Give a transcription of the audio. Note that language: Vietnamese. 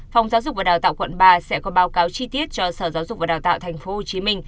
phòng giáo dục và đào tạo quận ba sẽ có báo cáo chi tiết cho sở giáo dục và đào tạo tp hcm